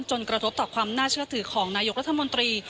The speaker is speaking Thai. กระทบต่อความน่าเชื่อถือของนายกรัฐมนตรี